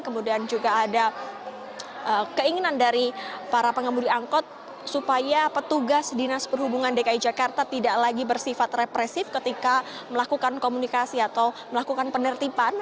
kemudian juga ada keinginan dari para pengemudi angkot supaya petugas dinas perhubungan dki jakarta tidak lagi bersifat represif ketika melakukan komunikasi atau melakukan penertiban